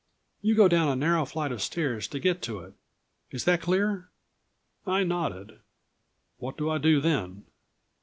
You go down a narrow flight of stairs to get to it. Is that clear?" I nodded. "What do I do then?"